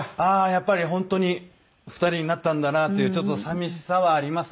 やっぱり本当に２人になったんだなっていうちょっと寂しさはあります